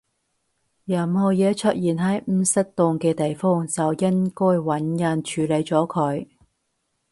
任何嘢出現喺唔適當嘅地方，就應該搵人處理咗佢